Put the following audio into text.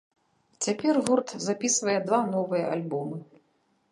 Цяпер гурт запісвае два новыя альбомы.